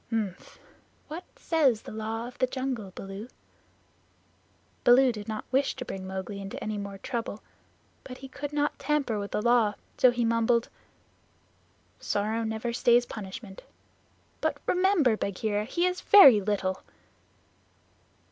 "Mf! What says the Law of the Jungle, Baloo?" Baloo did not wish to bring Mowgli into any more trouble, but he could not tamper with the Law, so he mumbled: "Sorrow never stays punishment. But remember, Bagheera, he is very little."